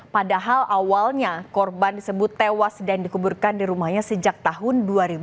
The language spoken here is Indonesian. padahal awalnya korban disebut tewas dan dikuburkan di rumahnya sejak tahun dua ribu